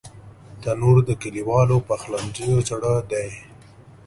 تنور د کلیوالو پخلنځیو زړه دی